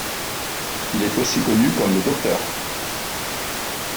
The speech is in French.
Il est aussi connu comme le Dr.